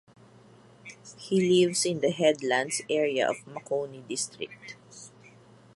He lives in the Headlands area of Makoni District.